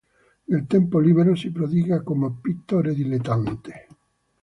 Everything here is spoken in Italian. Nel tempo libero si prodiga come pittore dilettante.